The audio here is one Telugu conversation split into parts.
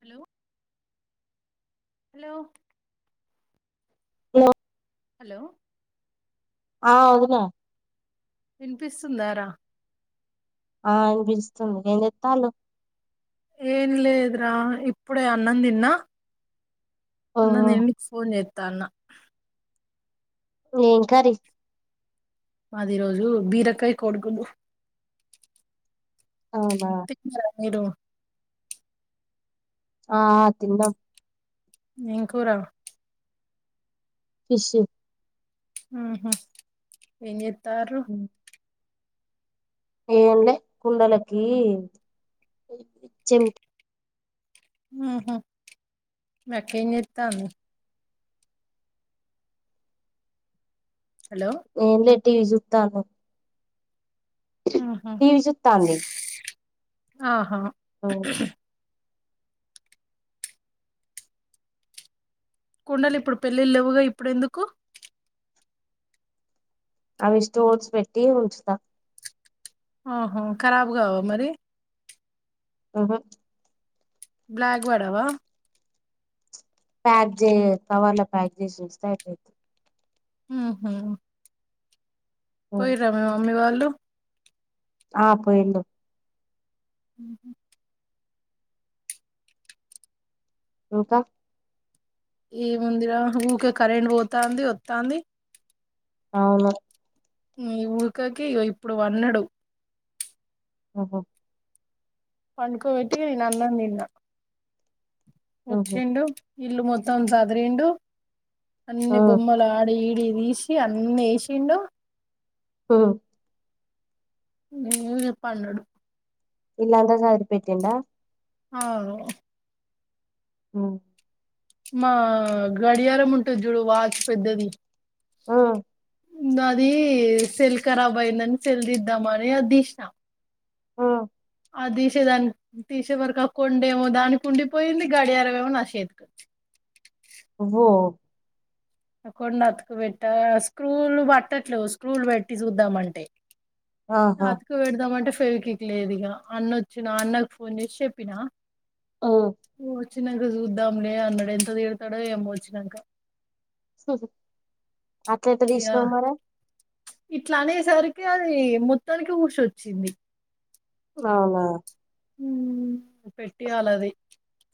హలో హలో హలో హలో ఆ ఉమ వినిపిస్తుందారా ఆ అనిపిస్తుంది ఏం చెత్తాలు ఏం లేదురా ఇప్పుడే అన్నం తిన్నా ఓ అన్నం తిని నీకు ఫోన్ చేత్తన్నా ఏం కర్రి? మాది ఈ రోజు బీరకాయ కోడిగుడ్డు అవునా పిచ్చరా మీరు ఆ తిన్నాం ఏం కూర? ఫిష్ ఆ హ ఏం జెత్తారు? ఏంలే కుండలకి చెం ఆహ మీ అక్క ఏం చేత్తంది? హలో ఏమిలే టీవీ చూత్తనం ఆహ టీవీ చూస్తాంది ఆహా అవ్ కుండలు ఇప్పుడు పెళ్ళిళ్ళ లేవుగా ఇప్పుడు ఎందుకు? అవి స్టోర్స్ పెట్టి ఉంచుతా ఆహో కరాబు కావా మరి ఆహ బ్లాక్ వాడవా? ప్యాక్ చే కవర్ ల ప్యాక్ చేసి వస్తా అయి ఆహ పోయిరా మీ మమ్మీ వాళ్ళు? ఆ పోయిండు ఉహ ఇంకా ఈ ముందిరా ఊకే కరెంట్ పోతంది వత్తంది అవును ఇ ఉడకకి ఇప్పుడు పన్నాడు ఓహో పండుకోబట్టి నేను అన్నం తిన్న ఉహు వచ్చిండు ఇల్లు మొత్తం సదరిండు ఆ అన్ని బొమ్మలు ఆడి ఈడి తీసి అన్ని వేసిండు ఆ నేను చెప్ప అన్నడు ఇల్లంతా చదిరి పెట్టిండ ఆవు హ మా గడియారం ఉంటది చూడు వాచ్ పెద్దది ఆ దాది సెల్ కరాబ్ అయిందని సెల్దిద్దామని అది తీసిన ఆ ఆ తీసేదానికి తీసే వరకు ఆ కొండేమో దానికిండిపోయింది. గాడియరవేమో నా చేతికి ఓహో కొన్ని అతుకుబెట్ట స్క్రూలు పట్టట్లేవు స్క్రూలు పెట్టి చూద్దాం అంటే ఆహా కు పెడదాం అంటే ఫెవికిక్ లేదు ఇగ అన్న వచ్చిన అన్నకు ఫోన్ చేసి చెప్పినా ఓ మ్మ్ వచ్చినంక చూద్దాంలే అన్నాడు ఎంత తిడతాడో ఏమో వచ్చినంక అట్లెట్ట తీసినావ్ మరి ఇట్ల అనేసరికి అది మొత్తానికి ఊషొచ్చింది అవునా మ్మ్ హు పెట్టియ్యాల అది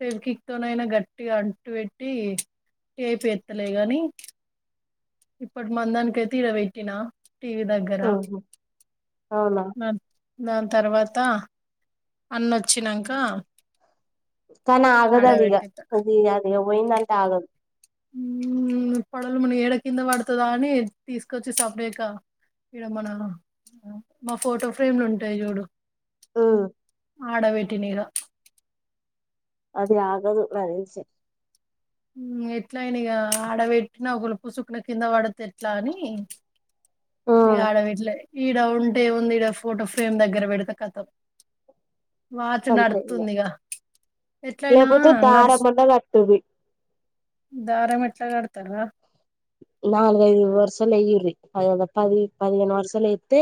సెవకిక్ తో నైనా గట్టిగా అంటు పెట్టి టేప్ ఎత్తలే గాని ఇప్పటి మన దానికి అయితే ఈడబెట్టినా టీ వీ దగ్గర ఉహు అవునా న దాని తర్వాత అన్న వచ్చినంక కానీ ఆగదది ఇగ అది అది పోయిందంటే ఆగదు మ్మ్ పొడలు మన ఏడ కింద పడుతుదో అని తీసుకొచ్చి సెపరేట్ గా ఈడ మన మా ఫోటో ఫ్రేమ్లు ఉంటాయి చూడు మ్మ్ ఆడపెట్టిన ఇగ అది ఆగదు నాకు తెలిసి మ్మ్ ఎట్లాయిన ఇగ ఆడబెట్టిన ఒకలుపు సుక్న కింద పడతరి ఇట్ల అని ఇగ ఉమ్ ఆడ పెట్టలే ఈడ ఉంటే ఉంది ఇడ ఫోటో ఫ్రేమ్ దగ్గర పెడితే కథం వాచ్ నడుతుంది ఇగ ఎట్లయినా నడుస్ తుంది దారమెట్ల కడతరు రా నాలు ఐదు వర్సలయ్యింది [inaudible] పది పదిహేను వర్సలైతే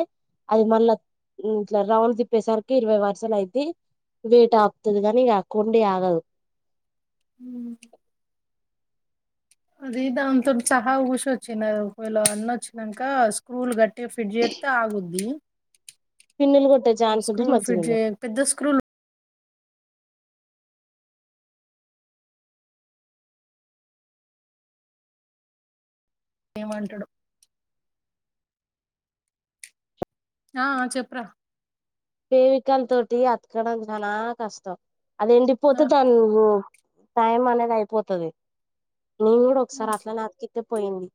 అది మళ్ళా ఇట్ల రౌండ్ తిప్పేసరికి ఇరవై వరుసలు అయితే లేట్ ఆపుతదిగానీ ఇగ కొండి ఆగదు మ్మ్ అది దాంతోటి సహా ఊసొచ్చింది ఆది ఒకవేళ అన్న వచ్చినంక స్క్రూలు గట్టి ఇగ ఫిట్ చెత్తే ఆగుద్ది పిన్నులు కొట్టే ఛాన్స్ ఉంటే స్క్రూల్ ఫిట్ మంచిగుండు చేయ పెద్ద స్క్రూల్ ఏమంటాడు ఆ చెప్పరా పేవకల తోటి అతకడం చాల కష్టం అది ఎండిపోతు తాను నువ్వు టైం అనేది అయిపోతది నేను కూడా ఒకసారి అట్లనే అతికిత్తే పోయింది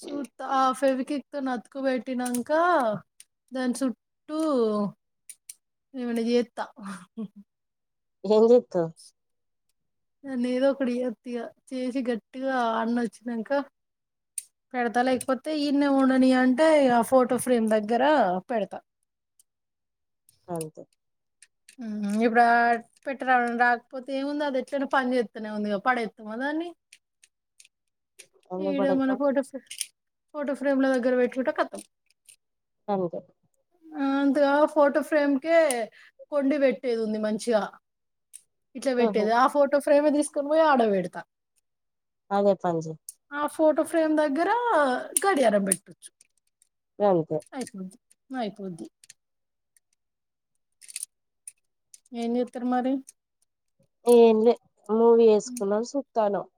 సూత్తో ఆ ఫెవికిక్ తో అతుకు పెట్టినంక దాని సుట్టూ ఏమన్న చెత్త ఏం చెత్తవ్ దాన్ని ఏదో ఒకటి చెత్త ఇగ చేసి గట్టిగా ఆన్న వచ్చినంక పెడతా లేకపోతే ఈన్నె ఉండని అంటే ఆ ఫోటో ఫ్రేమ్ దగ్గర పెడతా అంతే మ్మ్ ఇప్పుడాట్ పెట్టరా రాకపోతే ఏముంది అది ఎట్లానా పని చేస్తనే ఉందిగా పడేస్తామా దాన్ని ఎందుకు ఈడ మన పడేత్తావ్ ఫోటో ఫోటో ఫ్రేమ్ లో దగ్గర పెట్టింటే కతం అంతే అంతగా ఫోటో ఫ్రేమ్కే కొండి పెట్టేది ఉంది మంచిగా. ఇట్లా ఉహు పెట్టేది ఆ ఫోటో ఫ్రేమ్ తీసుకొని పోయి ఆడ పెడతా. అదే పని చెయ్. ఆ ఫోటో ఫ్రేమ్ దగ్గర గడియారం పెట్టొచ్చు. గంతే. అయిపోద్ది అయిపోద్ది. ఏం చెత్తరు మరి. ఏం లే మూవీ వేసుకున్నం చూత్తనామ్.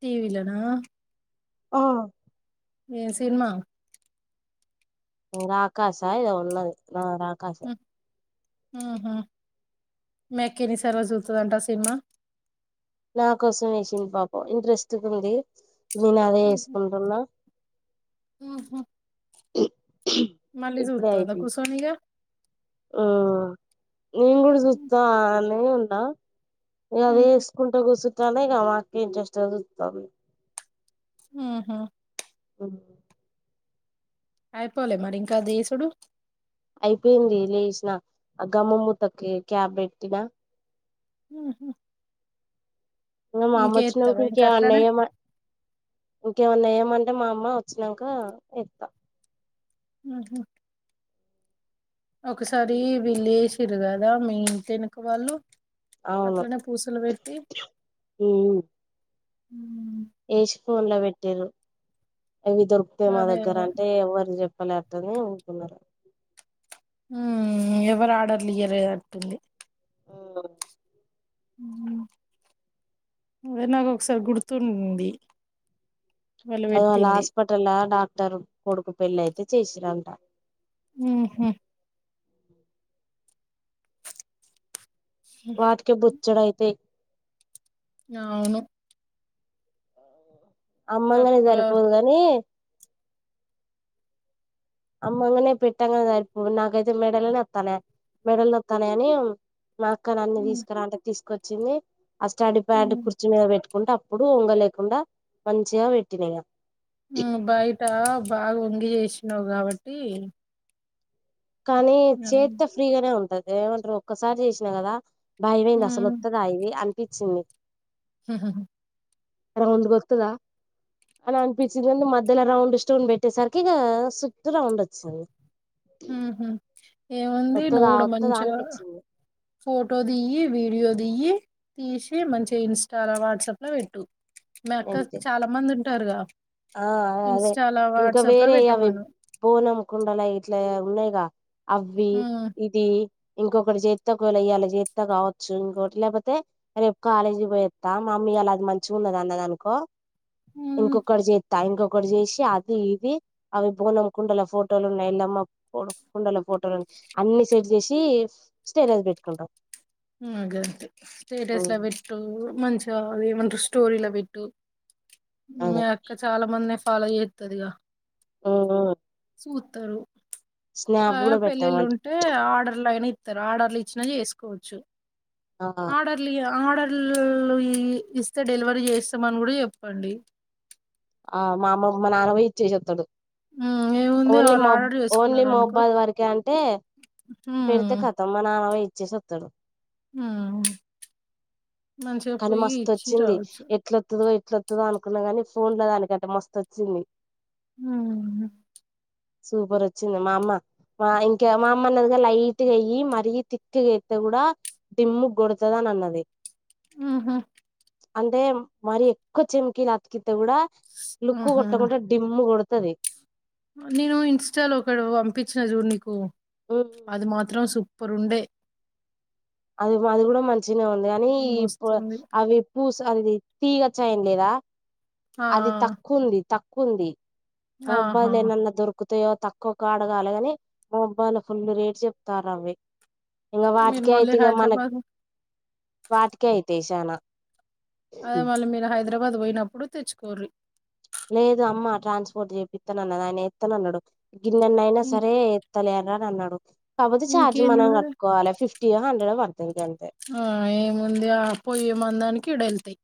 టీవీ లో నా. ఆ. ఏ సినిమా. రాకాశా ఇదొ ఉన్నది ఆ రాకాశ. మి అక్కా ఎన్ని సార్లు చుస్తుండంట సిమా. నా కోసం వేసింది పాపం ఇంట్రెస్ట్ ఉంది నేను అదే వేసుకుంటున్నా. ఊహు. ఇప్పుడ చూత్తందా ఐపి కూసోని ఇగ ఆ. నేను కూడా చూస్తా నే ఉన్నా ఇగ ఉహు వేస్. చకుంటూ కూర్చుంటాల ఇక మాకి ఇంట్రెస్ట్ చూస్తాం. ఊహు. అ అయిపోలే మరి ఇంకా దిసుడు. అయిపోయింది లేసిన ఆ గమ్మ మూతకి క్యాబ్ పెట్టినా. ఊహు. ఇంకా మామ ఇంకేత్తవా వచ్చినకు ఇంకే ఇంకా అట్లనే అన్నయ్యమా. ఇంకేమన్నా ఏయమంటే మా అమ్మ వచ్చినాక ఇస్తా. ఆహ. ఒకసారి వెళ్లే సిరు కదా మీ ఇంటి ఎనక వాళ్ళు. అవును అట్లనే పూసలు పెట్టి. వేసి ఫోన్ లో పెట్టారు అవి దొరికుతాయి మా అదే దగ్గర అదే అంటే ఎవరు చెప్. మళ్లీ అట్టనే ఉంటున్నారు. ఎవరు ఆర్డర్లు ఇయలేరట్ఉంది. ఆ అదే నాకు ఒకసారి గుర్తుంది. వాళ్ళు అది వాళ్ళ పెట్టింది హాస్పిటల్ డాక్టర్ కొడుకు పెళ్లి అయితే చేసిరంట. ఊహు. వాటిక బుచ్చడ అయితే. నవును. అమ్మంగానే తక్కువ సరిపోదు గాని. అమ్మ అంగనే పెట్టన్గనే సరిపో నాక అయితే మెడలి నత్తన మెడల్ నత్తన అని. మా అక్కను అన్ని తీసుకురా అంటే తీసుకోచ్చింది ఆ స్టడీ ప్యాడ్ కుర్చి మీద పెట్టుకుంటే అప్. ఇప్పుడు ఉంగ లేకుండా మంచిగా పెట్టిన ఇగ. ఆ బయట బాగా వంగి చేసినావు కాబట్టి. కానీ అలా చెత్తో ఫ్రీగానే ఉంటది ఏమంటారు ఒక్కసారి చేసినా కదా. భాయమయింది అసలు ఉహు వత్తుదా ఇవి అనిపించింది. హహ అర ఒంద గొతుదా అని అనిపించిందిండి మధ్యలో రౌండ్ స్టోన్ పెట్టేసరికి ఇక సుట్ రౌండ్ వచ్చింది హహ్మ్ ఏముంది వత్తదా నువ్గూడ వత్తదా మంచిగ అనిపించింది ఫోటో దిఇ వీడియో దిఇ తీసి మంచిగా ఇన్స్టాలో వాట్సాప్ లో పెట్టు మీఅక్కక్ అంతే చాలా మంది ఉంటారుగా ఆ అదే ఇన్స్టాలో ఇంకా వాట్సాప్ లో వేరే అవి పెట్టమను ఫోన్ అమ్కుండా నై ఇట్లా ఉన్నాయిగా అవ్వి ఇది ఇంకొకటి చేత్తేకోలా ఇయ్యాలి చేత్త కావచ్చు ఇంకొట్టి లేకపోతే రేపు కాలేజీకి పోయ్త మామ్మీ అలాది మంచిగా ఉన్నది అన్నదానుకో ఇంకొకటి చే ఇంకొకటి చేసి అది ఇది అవి బోనం కుండల ఫోటోలు ఉన్నాయి ఎల్లమ్మ కుండల ఫోటోలు ఉన్ అన్ని సెట్ చేసి స్టేటస్ పెట్టుకుంటాం నాదంతే ఉమ్, స్టేటస్ల బట్ టు మంచిగా అది ఏమంటారు స్టోరీలో పెట్టు అదే అక్క చాలా మంది పాలో చేతద్గా ఉ ఊ వుతారు ఆ కూడా పెళ్ళిలు పెట్టామంట ఉం తే ఆర్డర్లు అయిన ఇత్తరు ఆర్డర్లూ ఇచ్చిన చేసుకోవచ్చు ఆ ఆర్డర్ ట్ల ఆర్డర్ల్ ఇ ఇస్తే డెలివరీ చేస్తాం అని గుడా చెప్పండి ఆ మా అమ్మమ్ మా నానపోయి ఇచ్చేసీ ఒత్తడు ఉమ్ ఏముంది ఓన్లీ మ వాళ్ళు ఆర్డర్ ఓన్లీ చేసుకున్నారు అనుకో మహబ్బాద్ వరకే అంటే పెడితే ఉమ్ కాతం మా నాన్న పోయి ఇచ్చేసి వత్తడు హ్మ్ మంచిగా పోయి ఇచ్చి రావచ్చు ఇట్లొతదో ఇట్లొతదో అనుకున్నా గాని ఫోన్లో దానికంటే మస్తు వచ్చింది హ్మ్ సూపర్ వచ్చింది మా అమ్మ మ ఇంకే మా అమ్మ అన్నదిగా లైట్ గేయ్యి మరి థిక్ గేతే గుడా డిమ్ము గోడుత్దానన్నది ఉహా అంటే మరి ఎక్కువ చెమ్కీలు అతికితే గుడా లుక్కు ఉహు కొట్టకున్ట డిమ్మ్ కొడతది నేను ఇన్స్టాలో ఒకటి పంపించిన చూడు నీకు అది మాత్రం సుప్పర్ ఉండే అది అది కూడా మంచినే ఉంది గనీ ఈ మస్తుంది అవి పూస అది తీగ చైన్ లేదా ఆ అది తక్కువున్ది తక్కువుంద్ది ఆహా మొబైల్ ఎనన్న దొర్క్ క్కుతాయో తక్కువకాడగాలిగానిమొబైల్లో ఫుల్ రేట్ చెప్తరావి ఇగ మీరు వాటికే అయితే మళ్ళీ ఇగ మనక్ హైదరాబాద్ వాటికే ఐతాయిచన అదే మళ్ళీ మీరు హైదరాబాద్ పోయినప్పుడు తెచ్చుకోర్రి లేదు అమ్మ ట్రాన్స్పోర్ట్ చేపితనన్నది ఆయన ఎత్తనన్నాడు గిన్నెన్ని అయినా ఇం- సరే తలే అని అన్నాడు కాబోతే ఛార్జ్ ఇంకేంది మనం మరి కట్టుకోవాలి ఫిఫ్టీ ఒ హండ్రెడో పడుతది గంతే ఉ ఏముంది ఆ పోయే మందానికి ఇడ ఏళ్తయి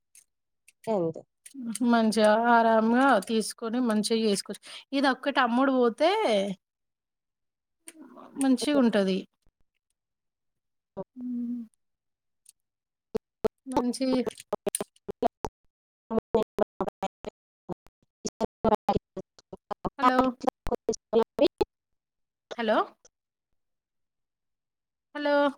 గంతే ఉ హు మంచిగా ఆరమ్మ్గా తీస్కొని మంచిగా చేస్కోవచ్చు ఇదొక్కటి అమ్ముడు బోతే మంచిగుంటది ఉమ్, మంచిది [unintelligible] హలో హలో హలో